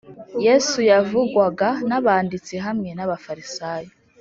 yesu yavugwaga n’abanditsi hamwe n’abafarisayo